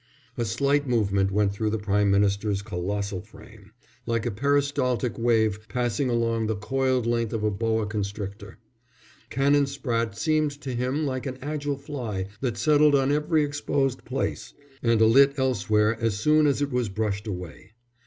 A slight movement went through the Prime Minister's colossal frame, like a peristaltic wave passing along the coiled length of a boa constrictor. Canon Spratte seemed to him like an agile fly that settled on every exposed place, and alit elsewhere as soon as it was brushed away.